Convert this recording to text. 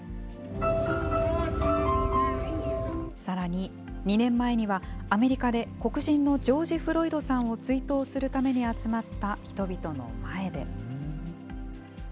さらに、２年前には、アメリカで黒人のジョージ・フロイドさんを追悼するために集まった人々の前で。